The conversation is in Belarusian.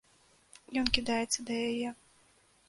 Ён кідаецца да яе.